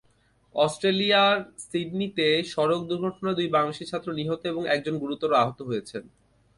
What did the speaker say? অস্ট্রেলিয়ার সিডনিতে সড়ক দুর্ঘটনায় দুই বাংলাদেশি ছাত্র নিহত এবং একজন গুরুতর আহত হয়েছেন।